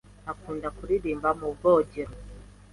Akunda kuririmba mu bwogero.